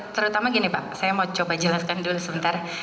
terutama gini pak saya mau coba jelaskan dulu sebentar